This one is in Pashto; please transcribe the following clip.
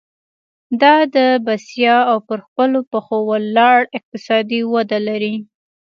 دا د بسیا او پر خپلو پخو ولاړ اقتصاد ونډه لري.